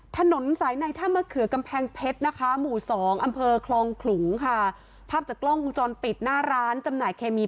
ถนนสายใน